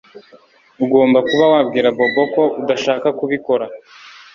Ugomba kuba wabwira Bobo ko udashaka kubikora